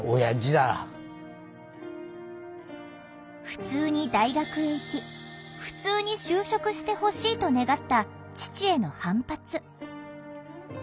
ふつうに大学へ行きふつうに就職してほしいと願った父への反発。